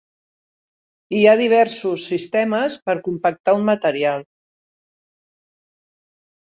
Hi ha diversos sistemes per compactar un material.